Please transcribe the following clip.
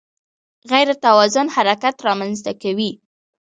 غیر توازن حرکت رامنځته کوي.